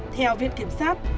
theo viện kiểm soát